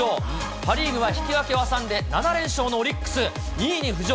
パ・リーグは引き分けを挟んで、７連勝のオリックス、２位に浮上。